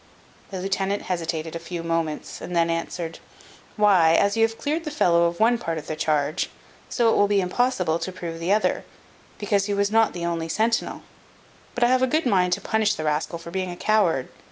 The lieutenant hesitated a few moments, and then answered: "Why, as you have cleared the fellow of one part of the charge, so it will be impossible to prove the other, because he was not the only centinel. But I have a good mind to punish the rascal for being a coward.